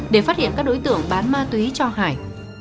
để phát hiện các đối tượng bán ma túy cho hải